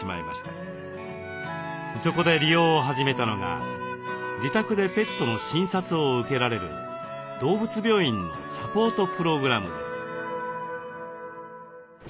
そこで利用を始めたのが自宅でペットの診察を受けられる動物病院のサポートプログラムです。